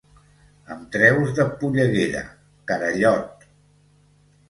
Em treus de polleguera, carallot!